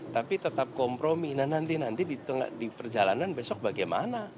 tapi tetap kompromi nanti nanti di perjalanan besok bagaimana